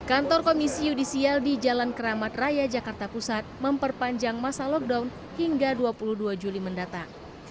kantor komisi yudisial di jalan keramat raya jakarta pusat memperpanjang masa lockdown hingga dua puluh dua juli mendatang